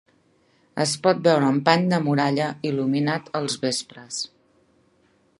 Es pot veure un pany de muralla il·luminat els vespres.